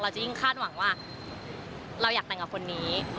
จะยิ่งคาดหวังว่าเราอยากแต่งกับคนนี้